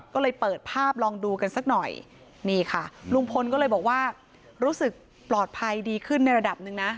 ก็เลยเปิดภาพลองดูกันสักหน่อยนี่ค่ะลุงพลก็เลยบอกว่ารู้สึกปลอดภัยดีขึ้นในระดับหนึ่งนะ